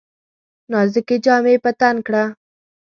نازکي جامې په تن کړه !